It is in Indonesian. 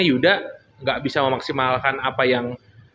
yudha gak bisa memaksimalkan apa yang